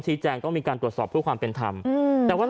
แจ้งต้องมีการตรวจสอบเพื่อความเป็นธรรมแต่ว่า